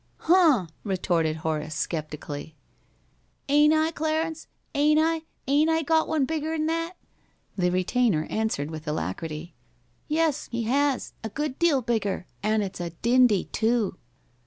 "Huh!" retorted Horace, sceptically. "'Ain't I, Clarence? 'Ain't I? 'Ain't I got one bigger'n that?" The retainer answered with alacrity: "Yes, he has! A good deal bigger! An' it's a dindy, too!"